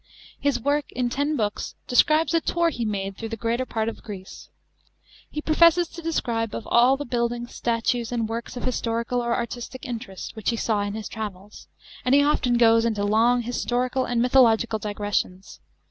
His work, in ten Book , de scribes a tour he made through the greater part of Greece. He professes to describe all the buildings, statues, and works of historical or artistic interest which he saw in his travels, and he often goes into long historical and mythological digressions.